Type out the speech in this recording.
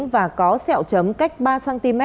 và có xẹo chấm cách ba cm